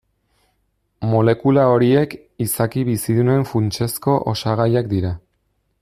Molekula horiek izaki bizidunen funtsezko osagaiak dira.